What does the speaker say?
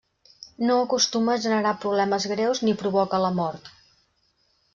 No acostuma a generar problemes greus ni provoca la mort.